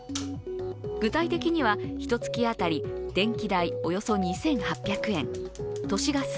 具体的には、ひと月当たり電気代およそ２８００円、都市ガス